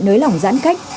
nới lỏng giãn cách